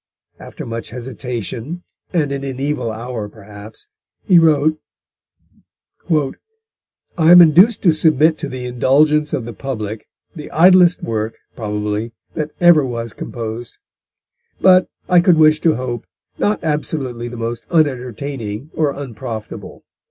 After much hesitation, and in an evil hour, perhaps, he wrote: "I am induced to submit to the indulgence of the public the idlest work, probably, that ever was composed; but, I could wish to hope, not absolutely the most unentertaining or unprofitable."